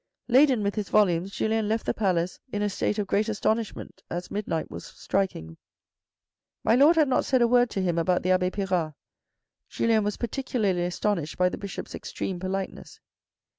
Laden with his volumes, Julien left the palace in as tate of great astonishment as midnight was striking. My Lord had not said a word to him about the abbe Pirard. Julien was particularly astonished by the Bishop's extreme politeness.